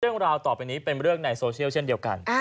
เรื่องราวต่อไปนี้เป็นเรื่องในโซเชียลเช่นเดียวกัน